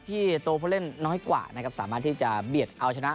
ที่ตัวผู้เล่นน้อยกว่านะครับสามารถที่จะเบียดเอาชนะ